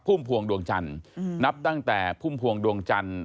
พุ่มพวงดวงจันทร์นับตั้งแต่พุ่มพวงดวงจันทร์